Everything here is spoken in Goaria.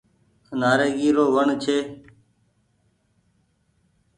نآريگي رو وڻ ڇي